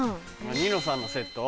『ニノさん』のセット？